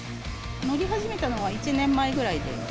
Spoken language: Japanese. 乗り始めたのは１年前ぐらいで。